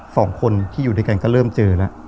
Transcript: สองคนที่อยู่ด้วยกันก็เริ่มเจอแล้ว